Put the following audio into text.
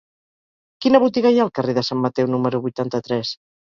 Quina botiga hi ha al carrer de Sant Mateu número vuitanta-tres?